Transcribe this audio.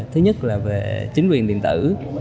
thứ nhất là về chính quyền điện tử